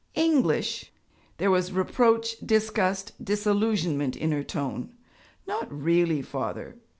'English!' There was reproach, disgust, disillusionment, in her tone. 'Not really, father?'